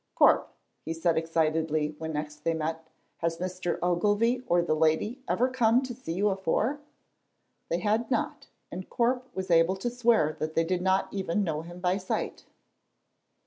"Corp," he said excitedly, when next they met, "has Mr. Ogilvy or the lady ever come to see you afore?" They had not, and Corp was able to swear that they did not even know him by sight.